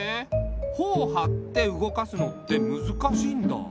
ほをはって動かすのってむずかしいんだ。